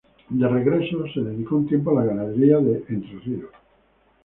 De regreso, se dedicó un tiempo a la ganadería en Entre Ríos.